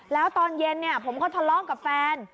แล้วตอนเย็นผมก็ทะเลาะกับแฟน